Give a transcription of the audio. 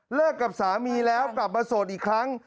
กับสามีแล้วกลับมาโสดอีกครั้ง